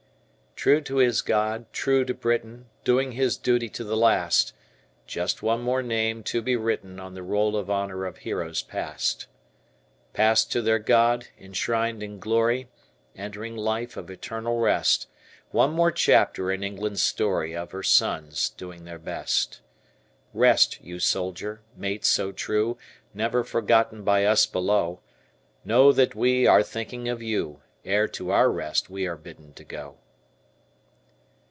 True to Us God; true to Britain, Doing his duty to the last, Just one more name to be written On the Roll of Honor of heroes passed. Passed to their God, enshrined in glory, Entering life of eternal rest, One more chapter in England's story Of her sons doing their best. Rest, you soldier, mate so true, Never forgotten by us below; Know that we are thinking of you, Ere to our rest we are bidden to go.